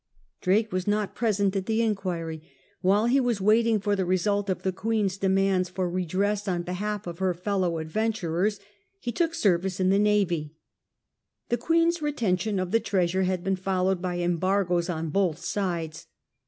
Drake was not present at the inquiry. While he was waiting for the result of the Queen's demands for redress on behalf of her fellow adventiurers, he took service in the navy. The Queen's retention of the treasure had been followed by embargoes on both sides.